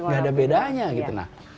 gak ada bedanya gitu